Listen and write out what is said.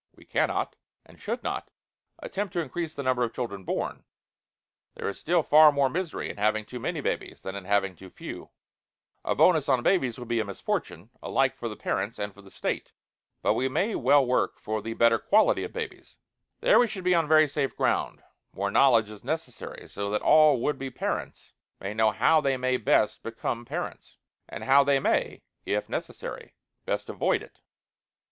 We cannot, and should not, attempt to increase the number of children born; there is still far more misery in having too many babies than in having too few; a bonus on babies would be a misfortune, alike for the parents and the State. BUT WE MAY WELL WORK FOR THE BETTER QUALITY OF BABIES. There we should be on very safe ground. More knowledge is necessary so that all would be parents may know how they may best become parents, and how they may, if necessary, best avoid it.